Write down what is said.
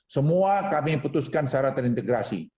semua kami putuskan secara terintegrasi